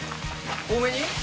多めに？